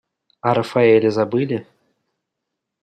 А Рафаэля забыли?